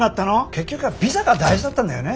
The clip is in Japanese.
結局はビザが大事だったんだよね？